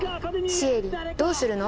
シエリどうするの？